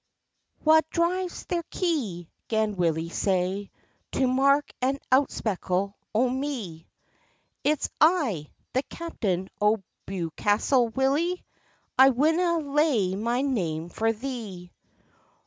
"Wha drives thir kye?" 'gan Willie say, "To mak an outspeckle o' me?" "It's I, the captain o' Bewcastle, Willie; I winna layne my name for thee."